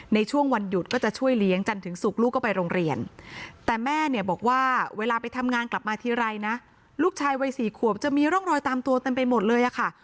ในช่วงวันหยุดก็จะช่วยเลี้ยงจันถึงศุกร์ลูกก็ไปโรงเรียนแต่แม่เนี่ยบอกว่าเวลาไปทำงานกลับมาทีไรนะลูกชายวัย๔ขวบจะมีร่องรอยตามตัวเต็มไปหมดเลยอะค่ะ